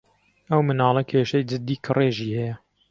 ئەو مناڵە کێشەی جددی کڕێژی ھەیە.